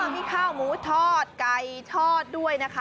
มีข้าวหมูทอดไก่ทอดด้วยนะคะ